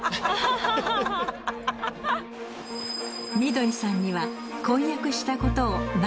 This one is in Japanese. みどりさんには。